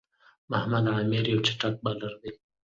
محمد عامِر یو چټک بالر دئ.